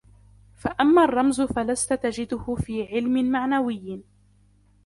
فَأَمَّا الرَّمْزُ فَلَسْت تَجِدُهُ فِي عِلْمٍ مَعْنَوِيٍّ